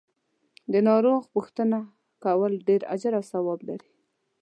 د ناروغ پو ښتنه کول ډیر اجر او ثواب لری .